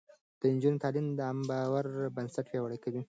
د نجونو تعليم د عامه باور بنسټ پياوړی کوي.